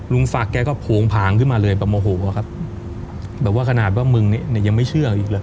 ศักดิ์แกก็โผงผางขึ้นมาเลยแบบโมโหอะครับแบบว่าขนาดว่ามึงเนี่ยยังไม่เชื่ออีกเลย